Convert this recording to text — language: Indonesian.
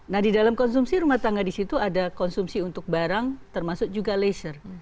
nah di dalam konsumsi rumah tangga di situ ada konsumsi untuk barang termasuk juga leisure